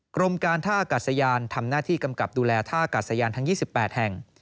กรมการท่าอากาศยานทำหน้าที่กำกับดูแลท่ากัดสยานทั้ง๒๘แห่ง